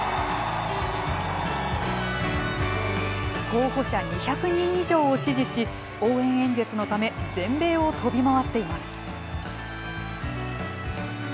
候補者２００人以上を支持し応援演説のため全米を飛び回っています。